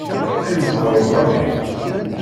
Ay meqqer uxxam-ik!